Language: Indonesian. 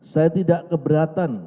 saya tidak keberatan